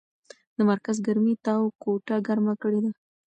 د مرکز ګرمۍ تاو کوټه ګرمه کړې وه.